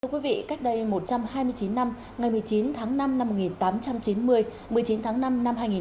các quý vị cách đây một trăm hai mươi chín năm ngày một mươi chín tháng năm năm một nghìn tám trăm chín mươi một mươi chín tháng năm năm hai nghìn một mươi chín